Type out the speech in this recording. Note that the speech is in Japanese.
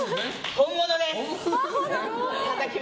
本物です！